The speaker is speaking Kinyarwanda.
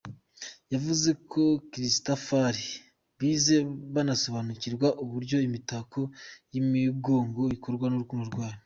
Yavuze ko Christafari bize banasobanurirwa uburyo imitako y’imigongo ikorwa, urukundo rwayo